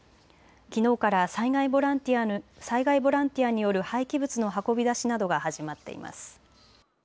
きのうから災害ボランティアによる廃棄物の運び出しなどが始まっています。